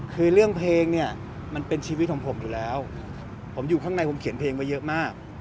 คือเรื่องเพลงเนี่ยมันเป็นชีวิตของผมอยู่แล้วผมอยู่ข้างในผมเขียนเพลงไว้เยอะมาก